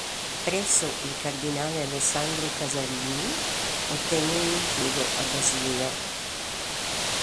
Presso il cardinale Alessandro Cesarini ottenne un impiego a Basilea.